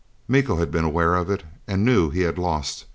Miko had been aware of it, and knew he had lost.